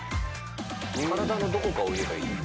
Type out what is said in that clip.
体のどこかを言えばいいの？